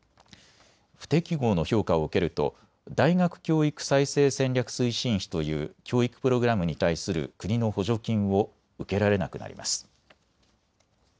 不適合の評価を受けると大学教育再生戦略推進費という教育プログラムに対する国の補助金を受けられなくなります。